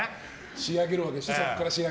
仕上げるわけでしょ、そこから。